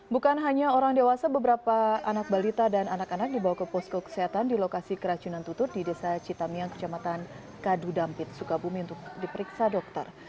bukan hanya orang dewasa beberapa anak balita dan anak anak dibawa ke posko kesehatan di lokasi keracunan tutut di desa citamiang kecamatan kadu dampit sukabumi untuk diperiksa dokter